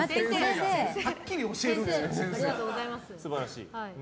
はっきり教えるんですよ先生が。